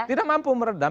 tidak mampu meredam